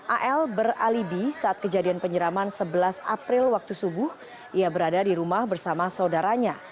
al beralibi saat kejadian penyeraman sebelas april waktu subuh ia berada di rumah bersama saudaranya